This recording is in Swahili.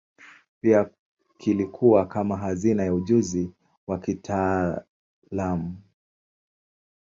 Pia kilikuwa kama hazina ya ujuzi wa kitaalamu.